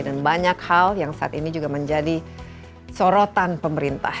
dan banyak hal yang saat ini juga menjadi sorotan pemerintah